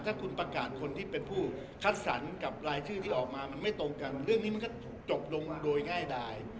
ถ้าคุณประกาศคนที่เป็นผู้คัดสรรกับรายชื่อที่ออกมามันไม่ตรงกันเรื่องนี้มันก็จบลงโดยง่ายดาย